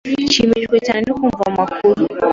Nshimishijwe cyane no kumva amakuru.